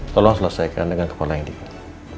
tolong selesaikan dengan kepala yang dekat